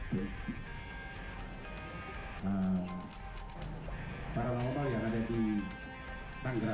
hai hai hai nah para pemotong yang ada di tangga